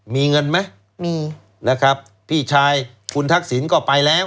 มีเงินไหมพี่ชายคุณทักษินก็ไปแล้ว